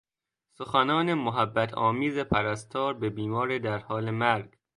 سخنان محبت آمیز پرستار به بیمار در حال مرگ